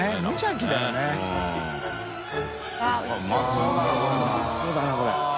うまそうだなこれ。